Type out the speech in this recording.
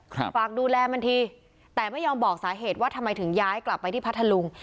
ฝากดูแลมันทีแต่ไม่ยอมบอกสาเหตุว่าทำไมถึงย้ายกลับไปที่พัทธลุง